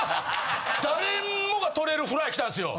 誰もが取れるフライきたんですよ